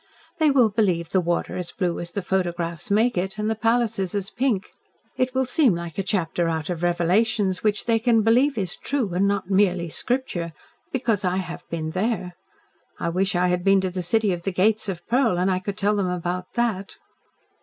"They will believe the water is as blue as the photographs make it and the palaces as pink. It will seem like a chapter out of Revelations, which they can believe is true and not merely 'Scriptur,' because I have been there. I wish I had been to the City of the Gates of Pearl, and could tell them about that."